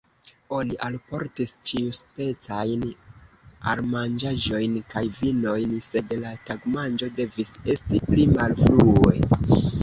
Oni alportis ĉiuspecajn almanĝaĵojn kaj vinojn, sed la tagmanĝo devis esti pli malfrue.